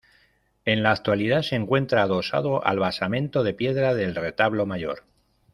En la actualidad se encuentra adosado al basamento de piedra del retablo mayor.